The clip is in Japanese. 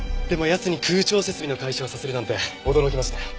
でも奴に空調設備の会社をさせるなんて驚きました。